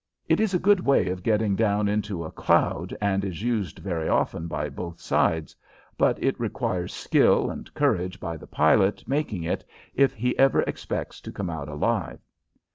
It is a good way of getting down into a cloud, and is used very often by both sides, but it requires skill and courage by the pilot making it if he ever expects to come out alive.